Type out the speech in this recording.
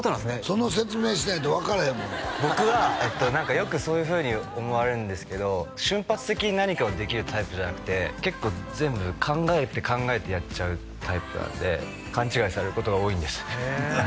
その説明してないと分からへんもん僕は何かよくそういうふうに思われるんですけど瞬発的に何かをできるタイプじゃなくて結構全部考えて考えてやっちゃうタイプなんで勘違いされることが多いんですへえ